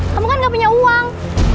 kamu kan gak punya uang